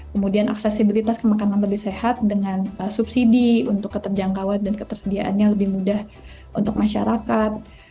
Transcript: kemudian aksesibilitas ke makanan lebih sehat dengan subsidi untuk keterjangkauan dan ketersediaannya lebih mudah untuk masyarakat